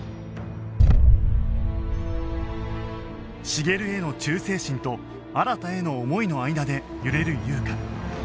茂への忠誠心と新への思いの間で揺れる優香